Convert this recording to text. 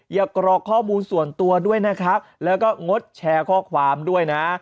กรอกข้อมูลส่วนตัวด้วยนะครับแล้วก็งดแชร์ข้อความด้วยนะ